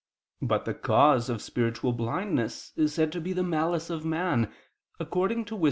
But the cause of spiritual blindness is said to be the malice of man, according to Wis.